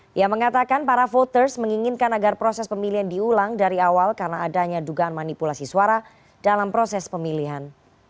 dia mengatakan para voters menginginkan agar proses pemilihan diulang dari awal karena adanya dugaan manipulasi suara dalam proses pemilihan